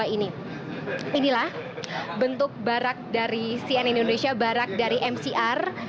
ini inilah bentuk barak dari cn indonesia barak dari mcr